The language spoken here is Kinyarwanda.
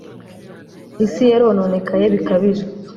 Isi yarononekaye bikabije